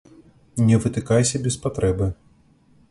Не вытыкайся без патрэбы.